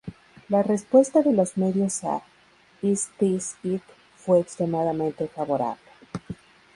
La respuesta de los medios a "Is This It" fue extremadamente favorable.